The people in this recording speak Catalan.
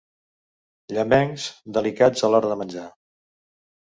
Llamencs, delicats a l'hora de menjar.